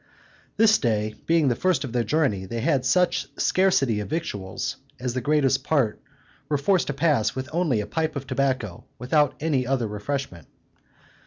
This day, being the first of their journey, they had such scarcity of victuals, as the greatest part were forced to pass with only a pipe of tobacco, without any other refreshment.